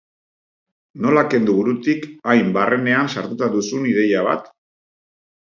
Nola kendu burutik hain barrenean sartuta duzun ideia bat?